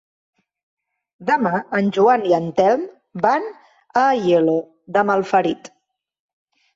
Demà en Joan i en Telm van a Aielo de Malferit.